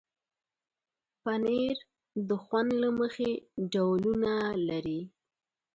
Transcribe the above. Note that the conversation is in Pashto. پنېر د خوند له مخې ډولونه لري.